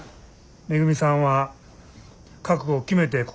めぐみさんは覚悟を決めてここに立ってはる。